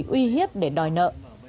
uy hiếp để đòi nợ